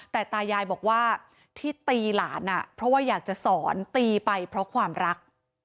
แต่ตายายบอกว่าที่ตีหลานเพราะว่าอยากจะสอนตีไปเพราะความรัก